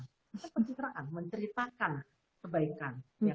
kita percitraan menceritakan kebaikan